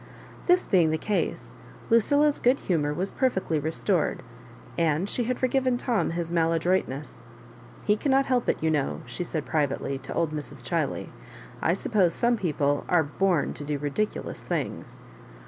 This being the case, Lucilla's good humour was perfectly restored, and she had forgiven Tom his mal adroitness. " He cannot help it, you know," she said privately to old Mrs. Chiley: *' I suppose some people are born to do ridiculous things."